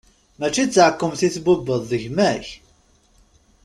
Mačči d taɛkemt i tbubbeḍ, d gma-k!